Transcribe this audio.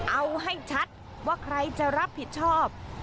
เอาให้ชัดว่าใครจะรับผิดชอบ